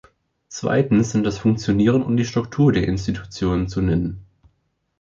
Zweitens sind das Funktionieren und die Struktur der Institutionen zu nennen.